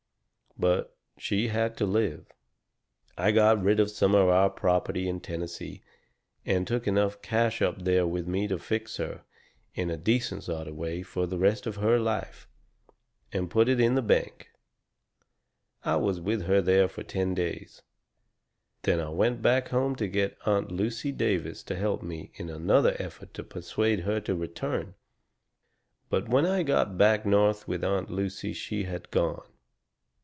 But she had to live. I got rid of some of our property in Tennessee, and took enough cash up there with me to fix her, in a decent sort of way, for the rest of her life, and put it in the bank. I was with her there for ten days; then I went back home to get Aunt Lucy Davis to help me in another effort to persuade her to return. But when I got back North with Aunt Lucy she had gone."